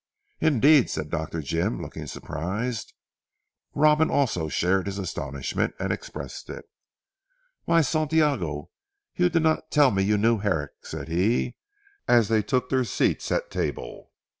"Indeed!" said Dr. Jim, looking surprised. Robin also shared his astonishment, and expressed it. "Why, Santiago you did not tell me you knew Herrick!" said he, as they took their seats at table.